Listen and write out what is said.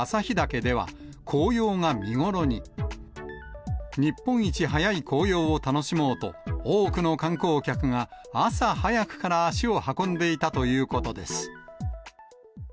日本一早い紅葉を楽しもうと、多くの観光客が朝早くから足を運んでいたということです。